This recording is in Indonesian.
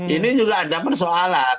ini juga ada persoalan